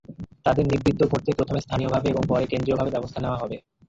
তাঁদের নিবৃত্ত করতে প্রথমে স্থানীয়ভাবে এবং পরে কেন্দ্রীয়ভাবে ব্যবস্থা নেওয়া হবে।